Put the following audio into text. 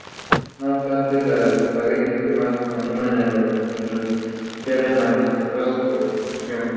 Es usado como gema y en coleccionismo.